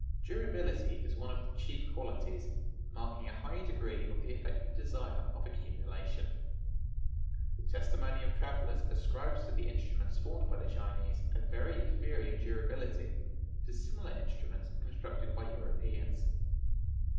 "Durability is one of the chief qualities, marking a high degree of the effective desire of accumulation. The testimony of travelers ascribes to the instruments formed by the Chinese a very inferior durability to similar instruments constructed by Europeans.